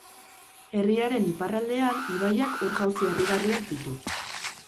Herriaren iparraldean, ibaiak ur-jauzi harrigarriak ditu.